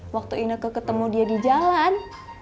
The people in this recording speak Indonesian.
waktu ineke ketemu dia di jalan